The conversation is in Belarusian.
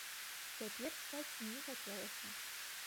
Цяпер спаць не хацелася.